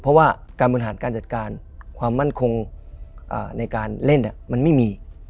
เพราะว่าการบริหารการจัดการความมั่นคงในการเล่นมันไม่มี